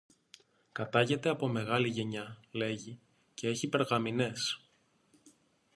Κατάγεται από μεγάλη γενιά, λέγει, και έχει περγαμηνές.